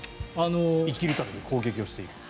生きるために攻撃をしている。